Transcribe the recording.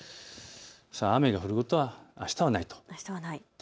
雨が降ることはあしたはないと見られます。